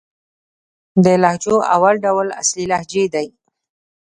د لهجو اول ډول اصلي لهجې دئ.